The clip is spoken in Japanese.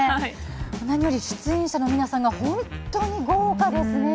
何より出演者の皆さんが本当に豪華ですね。